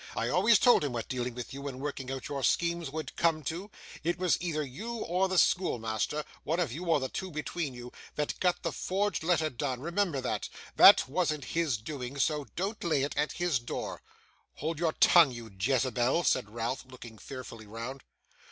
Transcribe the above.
I always told him what dealing with you and working out your schemes would come to. It was either you or the schoolmaster one of you, or the two between you that got the forged letter done; remember that! That wasn't his doing, so don't lay it at his door.' 'Hold your tongue, you Jezebel,' said Ralph, looking fearfully round.